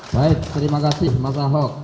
baik terima kasih mas ahok